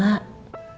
apa yang kamu mau